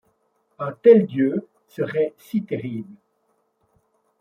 Un tel Dieu serait si terrible